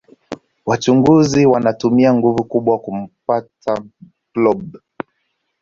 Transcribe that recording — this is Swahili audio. wachunguzi wanatumia nguvu kubwa kumpta blob